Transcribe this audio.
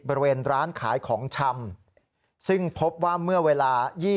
บริเวณร้านขายของชำซึ่งพบว่าเมื่อเวลา